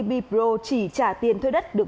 bipro chỉ trả tiền thuê đất được